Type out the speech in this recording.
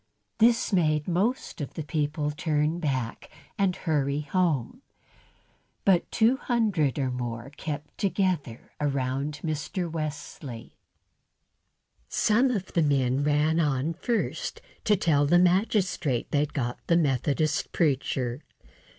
This made most of the people turn back and hurry home, but two hundred or more kept together round Mr. Wesley. Some of the men ran on first to tell the magistrate they'd got the Methodist preacher.